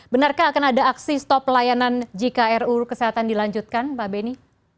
benarkah akan ada aksi stop layanan jkru kesehatan dilanjutkan pak beni